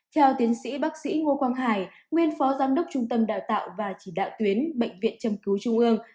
theo tiến sĩ bác sĩ ngô quang hải nguyên phó giám đốc trung tâm đào tạo và chỉ đạo tuyến bệnh viện châm cứu trung ương